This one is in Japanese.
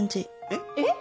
えっ？